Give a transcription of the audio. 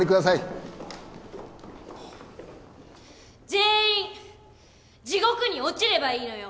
全員地獄に落ちればいいのよ！